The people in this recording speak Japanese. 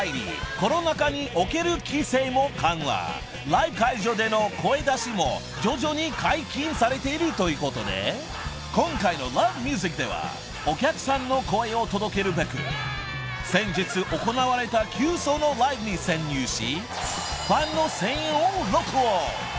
［ライブ会場での声出しも徐々に解禁されているということで今回の『Ｌｏｖｅｍｕｓｉｃ』ではお客さんの声を届けるべく先日行われたキュウソのライブに潜入しファンの声援を録音］